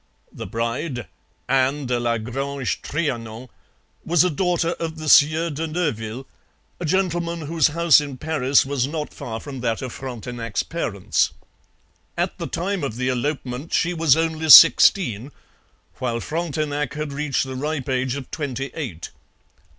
The bride, Anne de la Grange Trianon, was a daughter of the Sieur de Neuville, a gentleman whose house in Paris was not far from that of Frontenac's parents. At the time of the elopement she was only sixteen, while Frontenac had reached the ripe age of twenty eight.